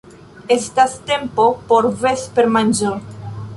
Estas tempo por vespermanĝo.